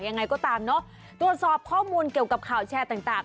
ยังไงก็ตามเนอะตรวจสอบข้อมูลเกี่ยวกับข่าวแชร์ต่าง